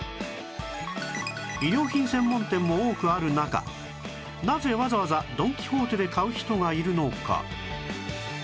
衣料品専門店も多くある中なぜわざわざドン・キホーテで買う人がいるのか？